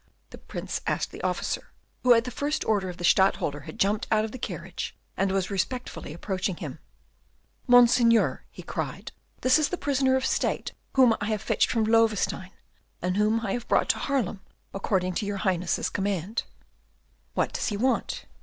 the Prince asked the officer, who at the first order of the Stadtholder had jumped out of the carriage, and was respectfully approaching him. "Monseigneur," he cried, "this is the prisoner of state whom I have fetched from Loewestein, and whom I have brought to Haarlem according to your Highness's command." "What does he want?"